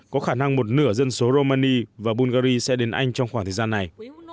có khả năng một nửa dân số romani và bulgari sẽ đến anh trong khoảng thời gian này